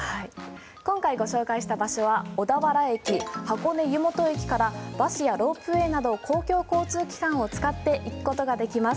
今回ご紹介した場所は小田原駅、箱根湯本駅からバスやロープウェイなど公共交通機関を使って行くことができます。